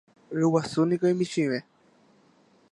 Ryguasúniko imichĩve.